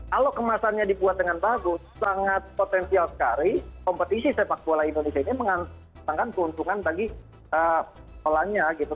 kalau kemasannya dibuat dengan bagus sangat potensial sekali kompetisi sepak bola indonesia ini mengatakan keuntungan bagi polanya gitu